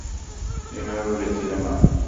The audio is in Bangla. এভাবে বলেছিলাম আমি!